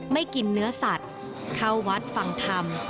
ไม่กินเนื้อสัตว์เข้าวัดฟังธรรม